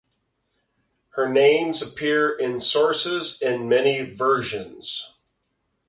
Her names appear in sources in many versions.